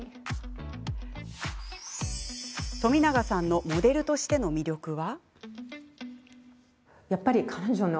冨永さんのモデルとしての魅力は？